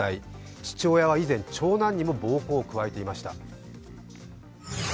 父親は以前長男にも暴行を加えていました。